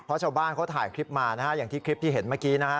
เพราะชาวบ้านเขาถ่ายคลิปมานะฮะอย่างที่คลิปที่เห็นเมื่อกี้นะฮะ